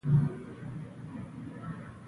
احمد ډېر نېک خویه دی.